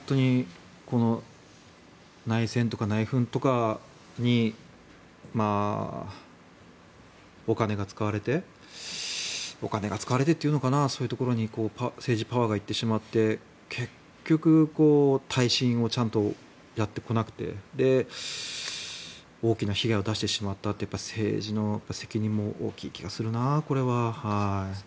内戦とか内紛とかにお金が使われてお金が使われてというのかなそういうところに政治パワーがいってしまって結局耐震をちゃんとやってこなくて大きな被害を出してしまったという政治の責任も大きい気がするなこれは。